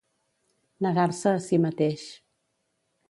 Negar-se a si mateix.